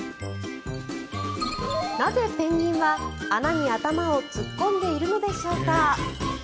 なぜペンギンは穴に頭を突っ込んでいるのでしょうか。